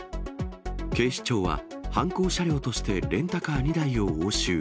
警視庁は、犯行車両としてレンタカー２台を押収。